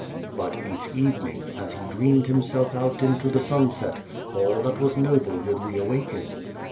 " But each evening, as he dreamed himself out into the sunset, all that was noble would reawaken.